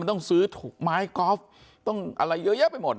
ต้องซื้อถุงไม้กอล์ฟต้องอะไรเยอะแยะไปหมด